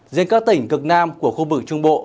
riêng các tỉnh cực nam của khu vực trung bộ